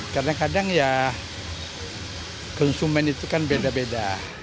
kadang kadang ya konsumen itu kan beda beda